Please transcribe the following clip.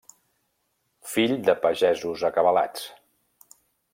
Fill de pagesos acabalats.